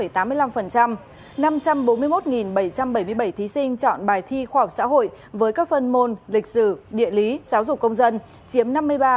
năm trăm bốn mươi một bảy trăm bảy mươi bảy thí sinh chọn bài thi khoa học xã hội với các phần môn lịch sử địa lý giáo dục công dân chiếm năm mươi ba ba mươi tám